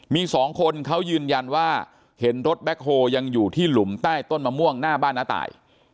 มีสองคนเขายืนยันว่าเห็นรถแบ็คโฮยังอยู่ที่หลุมใต้ต้นมะม่วงหน้าบ้านน้าตาย